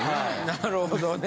なるほどね。